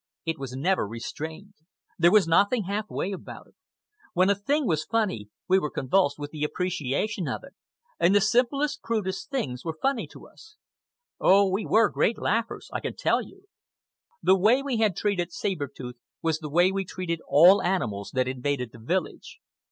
It was never restrained. There was nothing half way about it. When a thing was funny we were convulsed with appreciation of it, and the simplest, crudest things were funny to us. Oh, we were great laughers, I can tell you. The way we had treated Saber Tooth was the way we treated all animals that invaded the village.